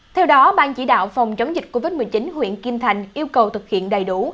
theo đó ban chỉ đạo phòng chống dịch covid một mươi chín huyện kim thành yêu cầu thực hiện đầy đủ